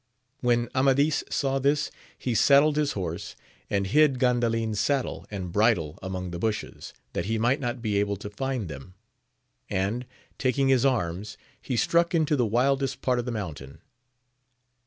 When Amadis saw this, he saddled his horse, and hid Gandalin's saddle and bridle among the bushes, that he might not be able to find them j AMADIS OF GAUL 281 and, taking Iiis anns, he struck into the wildest part of the mountain.